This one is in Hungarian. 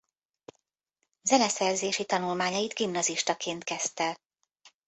Zeneszerzési tanulmányait gimnazistaként kezdte.